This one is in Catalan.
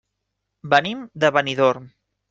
Venim de Benidorm.